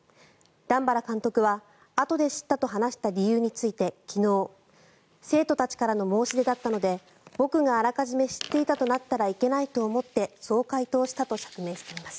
段原監督は、あとで知ったと話した理由について昨日、生徒たちからの申し出だったので僕があらかじめ知っていたとなったらいけないと思ってそう回答したと説明しています。